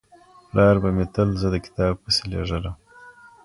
پلار به مې تل زه د کتاب پسې لېږلم.